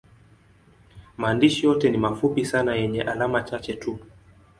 Maandishi yote ni mafupi sana yenye alama chache tu.